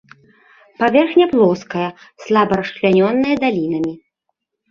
Паверхня плоская, слаба расчлянёная далінамі.